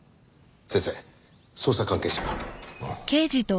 先生捜査関係者が。